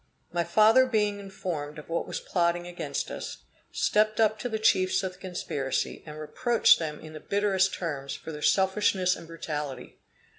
My father being informed of what was plotting against us, stepped up to the chiefs of the conspiracy, and reproached them in the bitterest terms for their selfishness and brutality.